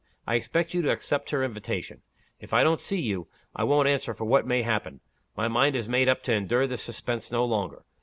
I expect you to accept her invitation. If I don't see you, I won't answer for what may happen. My mind is made up to endure this suspense no longer.